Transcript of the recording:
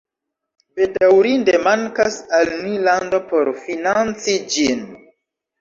Bedaŭrinde mankas al ni lando por financi ĝin